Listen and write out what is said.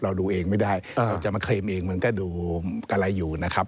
ดูเองไม่ได้เราจะมาเคลมเองมันก็ดูกะไรอยู่นะครับ